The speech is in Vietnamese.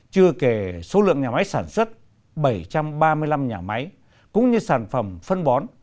chưa kể số lượng nhà máy sản xuất bảy trăm ba mươi năm nhà máy cũng như sản phẩm phân bón